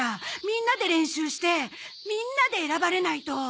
みんなで練習してみんなで選ばれないと。